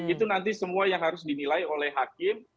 itu nanti semua yang harus dinilai oleh hakim